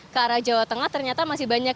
ke arah jawa tengah ternyata masih banyak